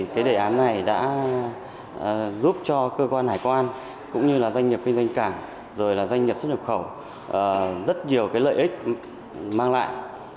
cái đề án này đã giúp cho cơ quan hải quan cũng như doanh nghiệp kinh doanh cảng doanh nghiệp xuất lập khẩu rất nhiều lợi ích mang lại